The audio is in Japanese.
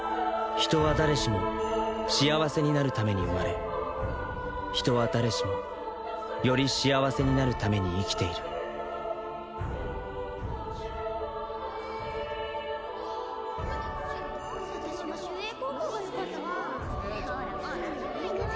人は誰しも幸せになるために生まれ人は誰しもより幸せになるために生きている私も集英高校がよかったなほら